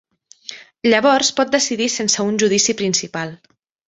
Llavors pot decidir sense un judici principal.